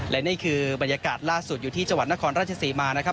และนี่คือบรรยากาศล่าสุดอยู่ที่จังหวัดนครราชศรีมานะครับ